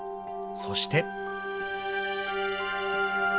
そして。